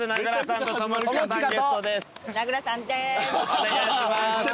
お願いします。